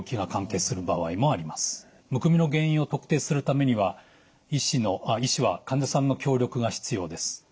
むくみの原因を特定するためには医師は患者さんの協力が必要です。